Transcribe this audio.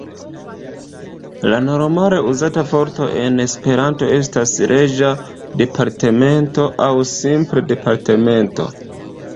La normale uzata vorto en Esperanto estas "reĝa departemento" aŭ simple "departemento".